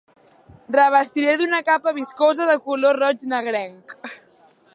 Revestiré d'una capa viscosa de color roig negrenc.